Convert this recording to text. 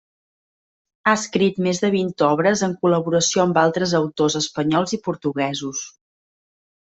Ha escrit més de vint obres en col·laboració amb altres autors espanyols i portuguesos.